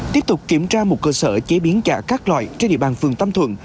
tiếp tục kiểm tra một cơ sở chế biến chả các loại trên địa bàn phường tâm thuận